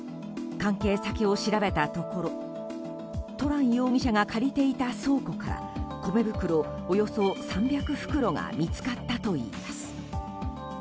関係先を調べたところトラン容疑者が借りていた倉庫から米袋およそ３００袋が見つかったといいます。